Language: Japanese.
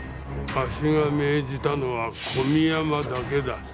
わしが命じたのは小宮山だけだ。